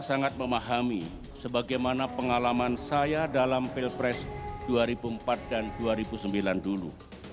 sangat memahami sebagaimana pengalaman saya dalam pilpres dua ribu empat dan dua ribu sembilan dulu